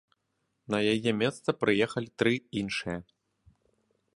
На яе месца прыехалі тры іншыя.